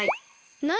何！？